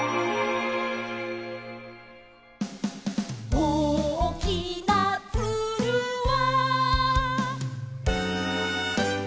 「おおきなツルは」